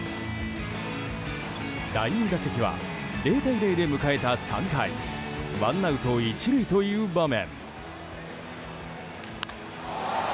第２打席は、０対０で迎えた３回ワンアウト１塁という場面。